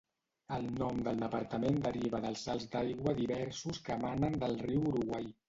El nom del departament deriva dels salts d'aigua diversos que emanen del riu Uruguai.